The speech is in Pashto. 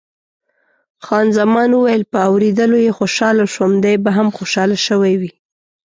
خان زمان وویل، په اورېدلو یې خوشاله شوم، دی به هم خوشاله شوی وي.